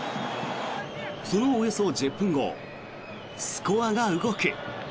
そのおよそ１０分後スコアが動く。